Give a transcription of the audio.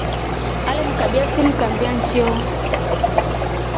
Ale mkabya simu kambia nshio.